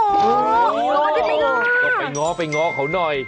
ง้อได้ไหมง้อก็ไปง้อเขาหน่อย